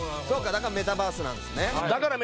だからメタバースなんですね。